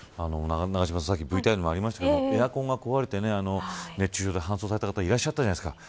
永島さん、さっきＶＴＲにもありまりましたがエアコンが壊れて熱中症で搬送された方いらっしゃったじゃないですか。